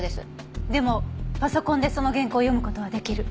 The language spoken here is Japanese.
でもパソコンでその原稿を読む事は出来る。